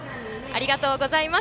ありがとうございます。